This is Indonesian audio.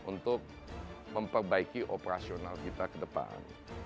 untuk memperbaiki operasional kita ke depan